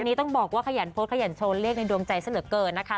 อันนี้ต้องบอกว่าขยันโพสต์ขยันโชว์เลขในดวงใจซะเหลือเกินนะคะ